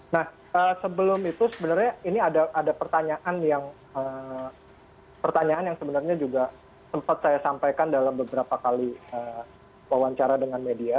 nah sebelum itu sebenarnya ini ada pertanyaan yang pertanyaan yang sebenarnya juga sempat saya sampaikan dalam beberapa kali wawancara dengan media